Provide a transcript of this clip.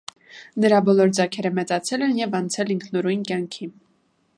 Նրա բոլոր ձագերը մեծացել են և անցել ինքնուրույն կյանքի։